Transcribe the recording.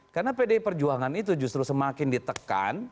karena pdi perjuangan itu justru semakin ditekan